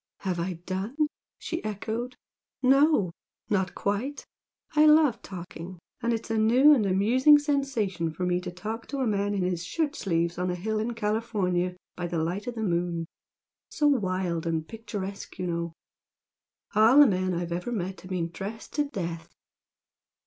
"Have I done?" she echoed "No, not quite! I love talking and it's a new and amusing sensation for me to talk to a man in his shirt sleeves on a hill in California by the light of the moon! So wild and picturesque you know! All the men I've ever met have been dressed to death!